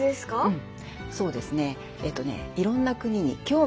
うん。